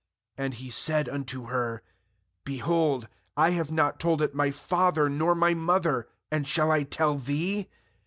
And he said unto her: 'Behold, I have not told it my father nor my mother, and shall I tell thee?'